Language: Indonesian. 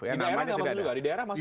di daerah tidak masuk juga